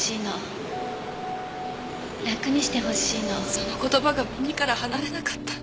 その言葉が耳から離れなかった。